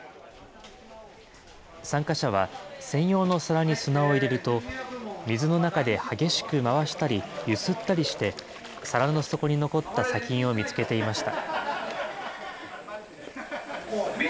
参加者は、専用の皿に砂を入れると、水の中で激しく回したり、揺すったりして、皿の底に残った砂金を見つけていました。